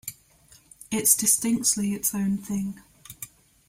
It's distinctly its own thing.